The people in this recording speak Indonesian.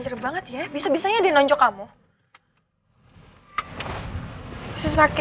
jangan biarkan dia berubah